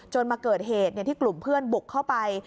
มาเกิดเหตุที่กลุ่มเพื่อนบุกเข้าไป